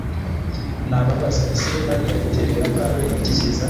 nababaza Ese ari Alitelle na balle niki cyiza